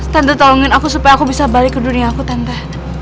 tante tolongin aku supaya aku bisa balik ke dunia aku tenta